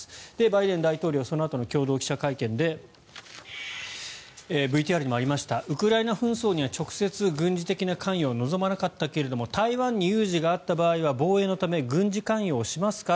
バイデン大統領はそのあとの共同記者会見でＶＴＲにもありましたウクライナ紛争には直接、軍事的な関与は望まなかったけれども台湾に有事があった場合は防衛のため軍事関与をしますか？